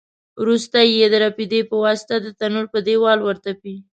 وروسته یې د رپېدې په واسطه د تنور په دېوال ورتپي.